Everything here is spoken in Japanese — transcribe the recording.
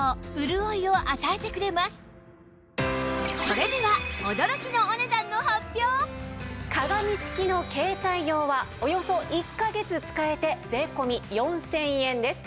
それでは鏡付きの携帯用はおよそ１カ月使えて税込４０００円です。